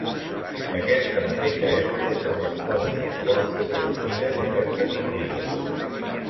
D'aquesta mateixa època corresponen els porxos o eixides oberts a migdia.